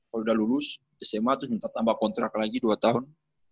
kalau sudah lulus sma terus minta tambah kontrak lagi dua tahun